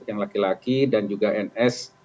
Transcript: yang laki laki dan juga ns